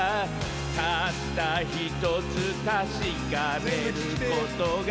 たったひとつ確かめることが